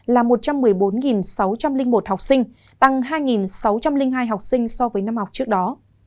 là một trăm một mươi bốn sáu trăm linh một học sinh tăng hai sáu trăm linh hai học sinh so với năm học trước đó